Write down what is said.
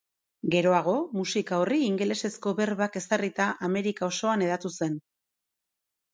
Geroago, musika horri ingelesezko berbak ezarrita Amerika osoan hedatu zen.